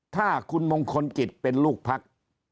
ถ้าคุณมงคลกิจเป็นลูกพัก